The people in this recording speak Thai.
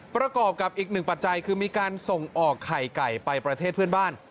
ประกอบกับอีกหนึ่งปัจจัยคือมีการส่งออกไข่ไก่ไปประเทศเพื่อนบ้าน